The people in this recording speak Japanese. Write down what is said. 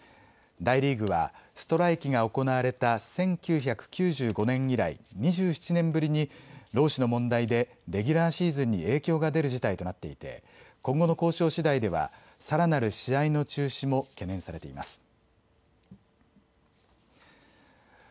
大リーグはストライキが行われた１９９５年以来、２７年ぶりに労使の問題でレギュラーシーズンに影響が出る事態となっていて今後の交渉しだいではさらなる試合の中止も懸念されています。